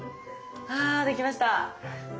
あできました。